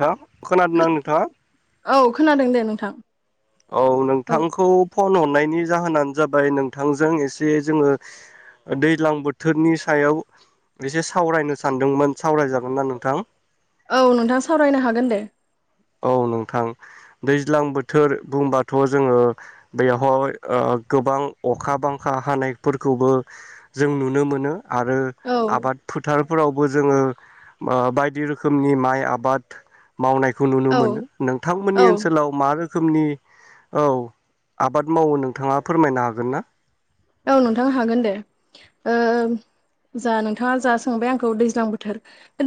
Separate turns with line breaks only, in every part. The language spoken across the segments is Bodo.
दा खोनादों ना नोंथांआ?
औ खोनादों दे नोंथां।
औ नोंथांखौ फन हम- नायनि जाहोनानो जाबाय नोंथांजों एसे जोङो दैज्लां बोथोरनि सायाव एसे सावरायनो सानदोंमोन सावरायजागोनना नोंथां?
औ नोंथां सावरायनो हागोन दे।
औ नोंथां दैज्लां बोथोर बुंबाथ जोङो बेवहय गोबां अखा बांखा हानायफोरखौबो जों नुनो मोनो। आरो
औ
आबाद फोथार फोरावबो जोङो ओ बायदि रोखोमनि माइ आबाद मावनाय खौ नुनो
औ
मोनो नोंथांमोननि
औ
ओनसोलाव मा रो खोमनि औ आबाद मावो नोंथाङा फोरमायनो हागोन ना?
औ नोंथां हागोन दे ओ जा नोंथाङा जा सोंबाय आंखौ दैज्लां बोथोर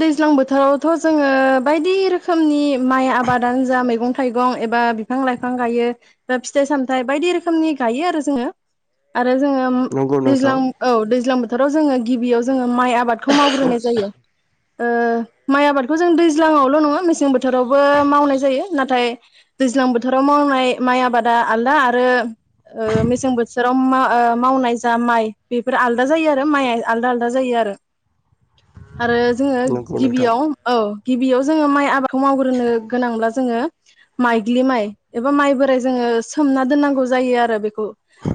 दैज्लां बोथोरावथ जोङो बायदि रोखोमनि माइ आबादानो जा मैगं थाइगं एबा बिफां लाइफां गायो बा फिथाइ सामथायाइ बायदि रोखोमनि गायो आरो जोङो आरो जोङो
नंगौ नोंथां
दैज्लां औ दैज्लां बोथाराव जोङो गिबियाव जोङो। माइ आबादखौ मावग्रोनाय जायो ओ माइ आबादखौ जों दैज्लङावल नङा मेसें बोथोरावबो मावनाय जायो नाथाय दैज्लां बोथोराव मावनाय माइ आबादा आलदा आरो ओ मेसें बोथोराव मा ओ मावनाय जा माइ बेफोर आलदा जायो आरो माइआ आलदा आलदा जायो आरो आरो जोङो
नंगौ नोंथां
गिबियाव औ गिबियाव जोङो माइ आबादखौ मावग्रोनो गोनांब्ला जोङो माइग्लि माइ एबा माइ बोराइ जोङो सोमना दोननांगौ जायो आरो बेखौ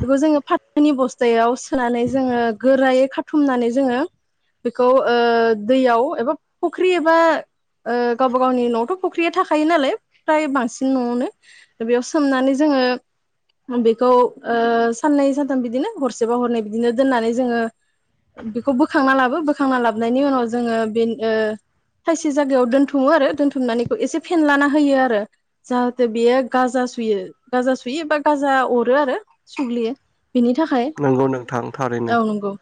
बेखौ जोङो फाथ- ओनि बस्थायाव सो- सोनानै जोङो गोरायै खाब- थुमनानै जोङो बेखौ ओ दैयाव एबा फुख्रि एबा ओ गावबा गावनि नआवथ फख्रिया थाखायो नालाय फ्राय बांसिन नआवनो बेयाव सोमनानै जोङो बेखौ साननै सान- थाम बिदिनो हरसेबा हरनै बिदिनो दोननानै जोङो बेखौ बोखांना लाबो बोखांना लाबनायनि उनाव जोङो ओ बे ओ थायसे जायागायाव दोनथुमो आरो दोनथुमनानैखौ एसे फेनलाना होयो आरो जाहाथे बेयो गाजा सुयो गाजा सुयो बा गाजा अरो आरो सुग्लियो बिनि थाखाय
नंगौ नोंथां थारैनो
औ नंगौ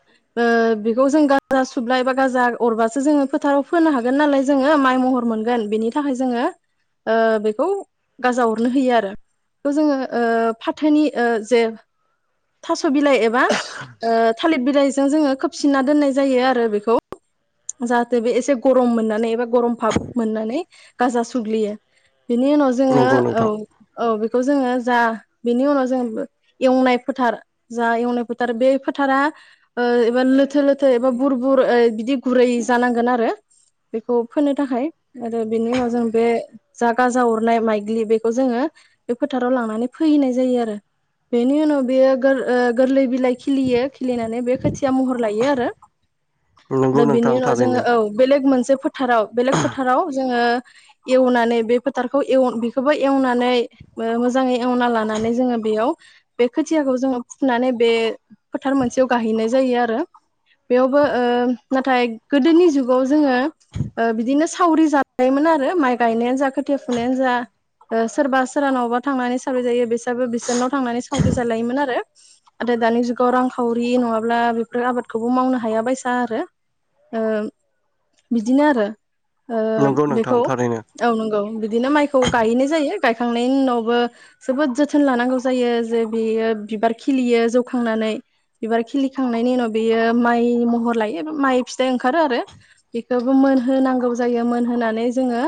बेखौ जों गाजा सुब्ला एबा गाजा अरबासो जोङो फोथाराव फोनो हागोन नालाय जोङो माइ महर मोनगोन बेनि थाखाय जोङो ओ बेखौ गाजा अरनो होयो आरो बेखौ जोङो ओ फाथोनि ओ जे थास' बिलाइ एबा ओ थालिर बिलाइजों जोङो खोबसिनना दोननाय जायो आरो बेखौ जाहाथे बे एसे गरम मोननानै एबा गरम फाब मोननानै गाजा सुग्लियो बेनि उनाव जोङो
नंगौ
औ
नोंथां
औ खौ जोङो जा बेनि उनाव जों एवनाय फोथार जा एवनाय फोथार बे फोथारा एबा लोथो लोथो एबा बुर बुर बिदि गुरै जानांगोन आरो बेखौ फोनो थाखाय आरो बेनि उनाव जों बे जा गाजा अरनाय माइग्लि बेखौ जोङो बे फोथाराव लांनानै फोहैनाय जायो आरो बेनि उनाव बेयो गोर ओ गोरलै बिलाइ खिलियो खिलिनानै बे खोथिया महर लायो आरो
नंगौ
दा बिनि
नोंथां
उनाव
थारैनो
जोङो औ बेलेग मोनसे फोथाराव बेलेग फोथाराव जोङो एवनानै बे फोथारखौ बेखौबो एवनानै ओ मोजाङै एवना लानानै जो बेयाव बे खोथियाखौ जो- जोङो फुनानै बे फोथार मोनसेयाव गाहैनाय जायो आ रों बेयावबो नाथाय गोदोनि जुगाव जोङो ओ बिदिनो सावरि जायोमोन आरो माइ गायनायानो जा खोथिया फुनायानो जा सोरबा सोरबा न'बा थांनानै सावरि जायो बे दाबो बिसोरनाव थांनानै सावरि जालायोमोन आरो आरो नाथाय दानि जुगाव रांखावरि नङाब्ला बेफोर आबादखौबो मावनो हाया बायसा आरो बिदिनो आरो ओ बिदिनो आरो
नंगौ
ओ
नोंथां
बेखौ
थारैनो
औ नंगौ बिदिनो माइखौ गायैनाय जायो गायखांनायनि उनावबो जोबोद जोथोन लानांगौ जायो जे बियो बिबार खिलियो जौखांनानै बिबार खिलिखांनायनि उनाव बेयो माइ महर लायो माइ फिथाइ ओंखारो आरो बेखौबो मोनहोनांगौ जायो मोनहोनानै जोङो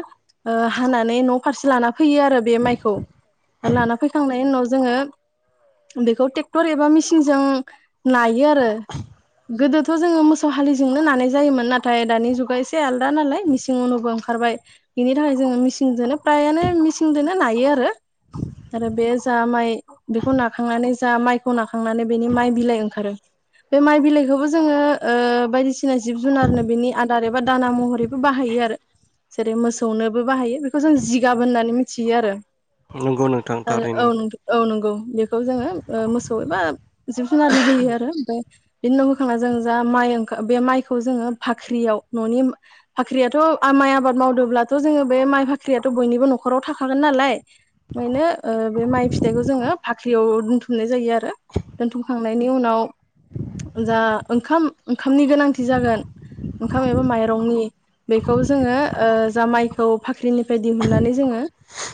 हानानै न' फारसे लाना फैयो आरो बे माइखौ आरो लाना फैखांनायनि उनाव जोङो बेखौ ट्रेक्टर एबा मिसिनजों नायो यो आरो गोदोथ' जोङो मोसौ हालिजोंनो नानाय जायोमोन नाथाय दानि जुगा एसे आलदा नालाय मिसिं उनावबो ओंखारबाय बिनि थाखाय जोङो मिसिनजोंनो फ्रायानो मिसिंजों नायो आरो आरो बे जा माइ बेखौ ना नाखांनानै जा माइखौ नाखांनानै बेनि माइ बिलाइ ओंखारो बे माइ बिलाइखौबो जोङो बायदिसिना जिब जुनारनो बेनि आदार एबा दाना महरैबो बाहायो आरो जेरै मोसौनोबो बाहायो बेखौ जों जिगाब होननानै मिथियो आरो
नंगौ नोंथां
ओ
थारैनो
औ औ नंगौ बे खौ जोङो मोसौ एबा जिब जुनारनो हो आरो फ्राय बिनि उनाव होखांना जों मं माइखौ जोङ फाख्रियावाखथ' माइ आबाद मावदोंब्लाथ जो बे माइ फाख्रिथ' बयनिबो न'खराव थाखागोन नालाय ओायनो बे माइ फिथखौ ज फाख्रियाव दोनथुमनाय जायो आरो दोनथुमखांनायनि उनाव जा ओंखाम ओंखामनि गोनांथि जागोन ओंखाम एबा माइरंनि बेखौ जोङो जा माइखौ फाख्रिनिफ्राय दिहुननानै जोङो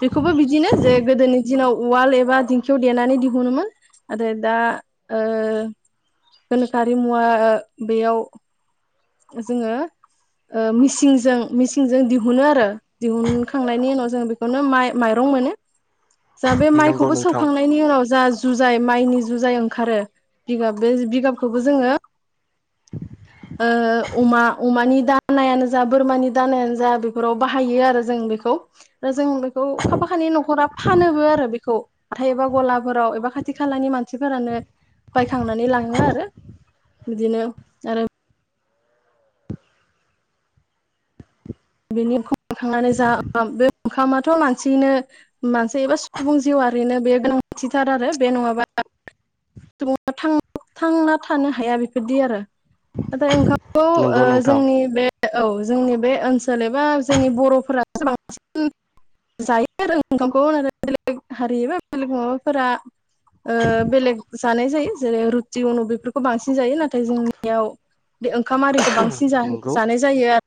बेखौबो बिदिनो जे गोदोनि दिनाव उवाल एबा दि खियाव देनानै दिहुनोमोन आरो दा गोनोखोआिमुवा बेयाव जोङो मिसिनजों मिसिनजों दिहुनो आरो दिहुनखांनायनि उनाव जों बेखौनो माइ माइरं मोनो जा बे
नंगौ
माइखौबो
नोंथां
सौखांनायनि उनाव जा जुजाय माइनि जुजाय ओंखारो बिगाब बे बिगाबखौबो जोङो ओ अमा अमानि दानायानो जा बोरमानि दानायानो जा बेफोराव बाहायो आरो जों बेखौ आरो जों बेखौ खाफााखानि न'खरा फानोबो आरो बेखौ हाथाय एबा गलाफोराव एबा खाथि खालानि मानसिफोरानो बायखांनानै लाङो आरो बिदिनो आरो बेनि ओंखामखांनानै जा बे ओंखामाथ' मानसिनो मानसि एबा सुबुं जिउआरिनो बे गोनां थिथार आरो बे नङाबा सुबुंआ थांना थानो हाया बेफोरदि आरो नाथाय ओंखाम खौ
नंगौ
ओ
नोंथां
जोंनि बे औ जोंनि बे ओनसोल एबा जोंनि बर'फोरा बांसिन जायो आरो ओंखामखौ बेलेग हारि एबा बेलेग माबाफोरा बेलेग जानाय जायो जेरै रुथि अनु बेफोरखौ बांसिन जायो नाथाय जोंनियाव बे ओंखाम आरिखौ बांसिन
नंगौ
जानाय जायो आरो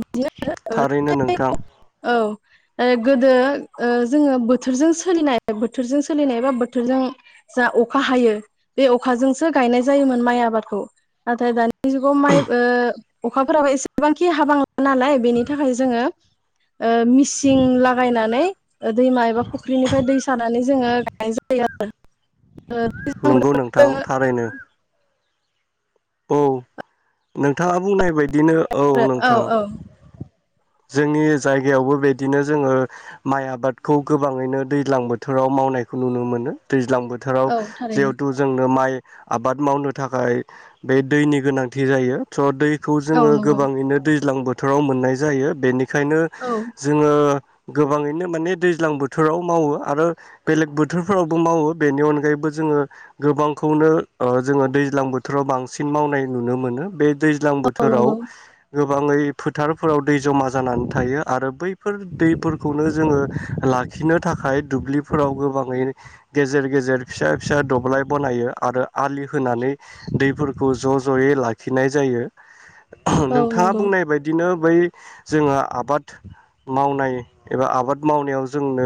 बिदिनो
थारैनो नोंथां।
ओ गोदो ओ जोङो बोथोरजों सोलिनाय बोथोरजों सोलिनाय बा बोथोरजों जा अखा हायो बे अखाजोंसो गायनाय जायोमोन माइ आबादखौ नाथाय दानि जुगाव माइ ओ अखाफोराबो एसेबांखि हाबांला नालाय बेनि थाखाय जोङो ओ मिसिं लागायनानै दैमा एबा फुख्रिनिफ्राय दै सानानै जोङो गायनाय जायो आरो ओ
नंगौ नोंथां थारैनो। औ नोंथाङा बुंनाय बाय दिनो औ
औ
नोंथां।
औ
जोंनि जायगायावबो बेदिनो जोङो माइ आबादखौ गोबाङैनो दैज्लां बोथोराव मावनायखौ नुनो मोनो दै ज्लां बोथोराव
औ थारैनो
जिहेथु जोंनो माइ आबाद मावनो थाखाय बे दैनि गोनां थि जायो स' दै खौ
औ
जोङो
नंगौ
गोबाङैनो दैज्लां बो बोथोराव मोननाय जायो बेनि बेखायनो
औ
जोङो गोबाङैनो माने दैज्लां बोथोराव मावो आरो बेलेग बोथोरफोरावबो मावो बेनि अनगायैबो जोङो गोबांखौनो ओ जोङो दैज्लां बोथोराव बांसिन मावनाय नुनो मोनो बे दैज्लां
औ
बोथोराव
नंगौ
गोबाङै फोथारफोराव दै जमा जानानै थायो आरो बैफोर दैफोरखौनो जोङो लाखिनो थाखाय दुब्लिफोराव गोबाङै गेजेर गेजेर फिसा फिसा दब्लाय बनायो आरो आलि होनानै दैफोरखौ ज' ज'यै लाखिनाय जायो।
औ
नोंथाङा
नंगौ
बुंनाय बायदिनो बै जोंहा आबाद मावनाय एबा आबाद मावनायाव जोंनो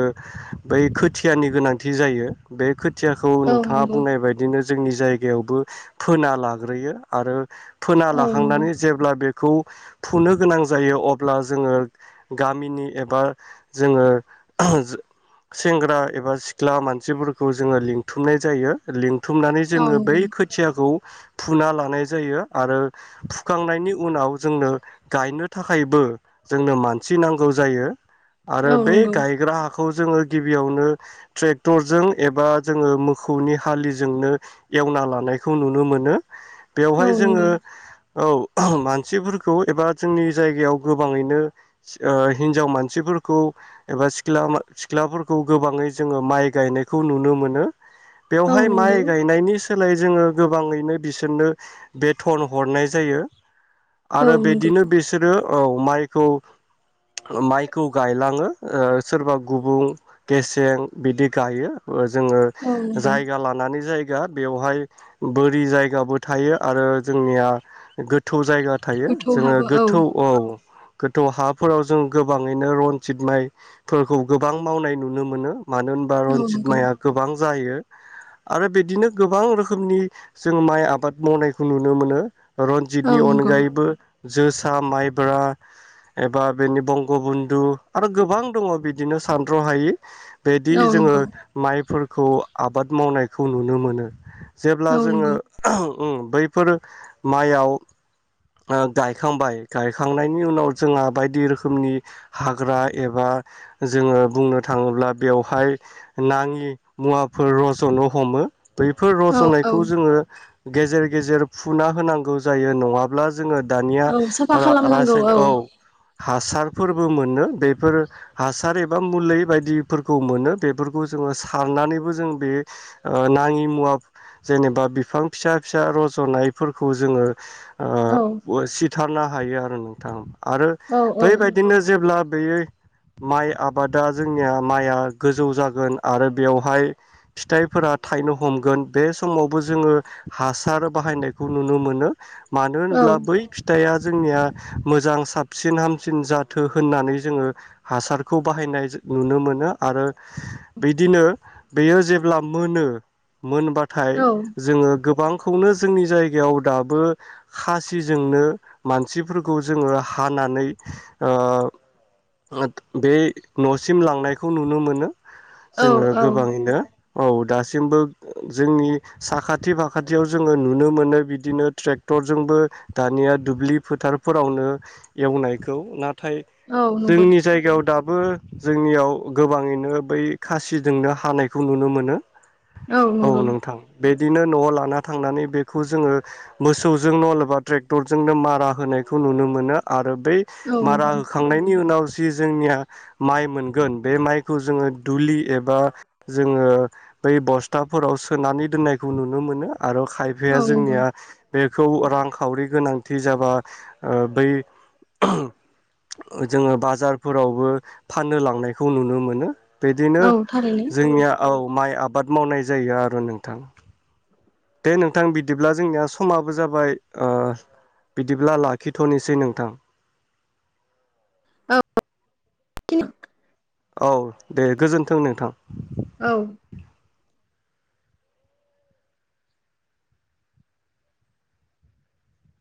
बै खोथियानि गोनांथि जायो बे खोथियाखौ
औ
नोंथाङा
नंगौ
बुंनाय बायदिनो जोंनि जायगायावबो फोना लाग्रोयो। आरो फोना
औ नंगौ
लाखांनानै जेब्ला बे खौ फुनो गोनां जायो अब्ला जोङो गामिनि एबा जोङो सेंग्रा एबा सिख्ला मानसिफोरखौ जोङो लिंथुमनाय जायो लिं थुमनानै
औ
जोङो बै
नंगौ
खोथियाखौ फुना लानाय जायो आरो फुखांनायनि उनाव जोंनो गायनो थाखायबो जोंनो मानसि नांगौ जायो। आरो
औ
बे
नंगौ
गायग्रा हा खौ जोङो गिबियावनो ट्रेक्टरजों एबा जोङो मोखौनि हालिजोंनो एवना लानायखौ नुनो मोनो।
औ नंगौ
बेवहाय
औ
जोङो
नंगौ
औ मानसिफोरखौ एबा जोंनि जायगायाव गोबाङैनो ओ हिनजाव मानसिफोरखौ एबा सिख्ला सिख्लाफोरखौ गोबाङै जोङो माइ गायनायखौ नुनो मोनो। बेवहाय माइ गायनायनि सोलाय जोङो गोबाङैनो बिसोरनो बेटन हरनाय जायो।
औ
आरो
नंगौ
बेदिनो बिसोरो औ माइखौ माइखौ गायलाङो सोरबा गुबुं गेसें बिदि गायो ओ जोङो
औ नंगौ
जायगा लानानै जाय गा बेवहाय बोरि जायगाबो थायो आरो जोंनिया गोथौ जायगा थायो
गोथौ
जोङो
हाबो
गोथौ औ गोथौ हाफोराव जों गोबाङैनो रनजित माइफोरखौ गोबां मावनाय नुनो मोनो मानो होनबा
औ
रनजित
नंगौ
माइआ गोबां जायो आरो बिदिनो गोबां रोखोमनि जों माइ आबाद मावनायखौ नुनो मोनो
औ
रन्जितनि
नंगौ
अनगायैबो जोसा माइब्रा एबा बेनि बंगबन्धु आरो गोबां दङ बिदिनो सानथ्रहायि बिदि
औ
जोङो
नंगौ
माइफोर खौ आबाद मावनायखौ नुनो मोनो जेब्ला
औ
जोङो
नंगौ
बैफोर माइयाव गायखांबाय गायखांनायनि उनाव जोंहा बायदि रोखोमनि हाग्रा एबा जोङो बुंनो थाङोब्ला बेवहाय नाङि मुवाफोर रजनो हमो बैफोर
औ औ
रजनायखौ जोङो गेजेर गेजेर फुना होनांगौ जायो नङाब्ला जोङो दानिया
औ साफा खालामनांगौ
रायन [unintelligible] औ हासार फोरबो मोनो बेफोर हासार एबा मुलि बायदिफोरखौ मोनो बेफोरखौ जोङो सारनानैबो जों बे नाङि मुवा जेनेबा बिफां फिसा फिसा रजनायफोरखौ जोङो
औ
आत [unintelligible] थारनो हायो आरो नोंथां आरो
औ औ
बेबायदिनो जेब्ला बे माइ आबादा जोंनिया माइआ गोजौ जागोन आरो बेवहाय फिथाइफोरा थाइनो हमगोन बे समावबो जोङो हासार बाहायनायखौ नुनो मोनो मानो
औ
होनब्ला बै फिथाइया जोंनिया मोजां साबसिन हामसिन जाथो होननानै जोङो हासारखौ बाहायनाय नुनो मोनो आरो बिदिनो बेयो जेब्ला मोनो मोनबाथाय जोङो गोबांखौनो जोंनि जायगायाव दाबो खासिजोंनो मानसिफोरखौ जोङो हानानै ओ बे नसिम लांनायखौ नुनो मोनो
औ
जोङो गोबाङैनो औ दासिमबो जोंनि साखाथि फाखा थियाव जोङो नुनो मोनो बिदिनो ट्रेक्टरजोंबो दानिया दुब्लि फोथारफोरावनो एवनायखौ ना नाथाय
औ नंगौ
जोंनि जायगायाव दाब बो जोंनियाव गोबाङैनो बै खासिजोंनो हानायखौ नुनो मोनो। औ नोंथां बे बिदिनो नआव ला ना थांनानै बेखौ जोङो मोसौजोंनो अबा ट्रेक्टरजोंनो मारा होनायखौ नुनो मोनो आरो बै
औ
मारा
नंगौ
होखांनायनि उनाव जि जोंनिया माइ मोनगोन बे माइखौ जोङो दुलि एबा जोङो बै बस्थाफोराव सोनानै दोननायखौ नुनो मोनो। आरो
औ
खायफाया
नंगौ
जोंनिया बेखौ रांखावरि गोनांथि जाबा ओ बै [inaudible] जोङो बाजारफोरावबो फाननो लांनायखौ नुनो मोनो। बिदिनो
औ थारैनो
जोंनियाव माइ आबाद मावनाय जायो आरो नोंथां। दे नोंथां बिदिब्ला जोंनिया समाबो जाबाय ओ बिदिब्ला लाखिथनोसै नोंथां।
औ [unintelligible]
औ दे गोजोन्थों नोंथां।
औ